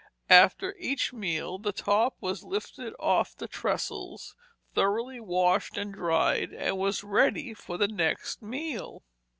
After each meal the top was lifted off the trestles, thoroughly washed and dried, and was ready for the next meal.